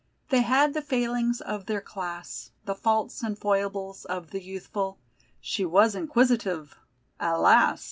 They had the failings of their class, The faults and foibles of the youthful; She was inquisitive, alas!